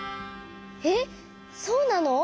えっそうなの？